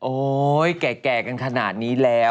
แก่กันขนาดนี้แล้ว